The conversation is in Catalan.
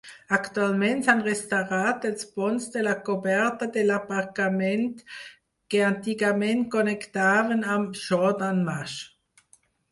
Actualment s'han restaurat els ponts de la coberta de l'aparcament que antigament connectaven amb Jordan Mash.